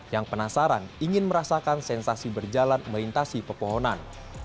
yang penasaran ingin merasakan sensasi berjalan melintasi pepohonan